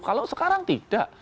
kalau sekarang tidak